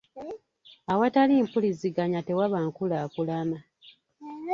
Awatali mpuliziganya tewaba nkulaakulana.